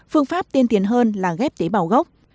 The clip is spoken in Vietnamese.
phương pháp tiên tiến hơn là ghép tế bào gốc